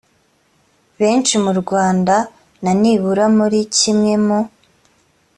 benshi mu rwanda na nibura muri kimwe mu